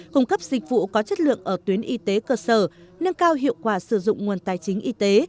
cung cấp dịch vụ có chất lượng ở tuyến y tế cơ sở nâng cao hiệu quả sử dụng nguồn tài chính y tế